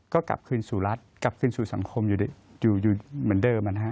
ก็กลับคืนสู่รัฐกลับคืนสู่สังคมอยู่เหมือนเดิมนะฮะ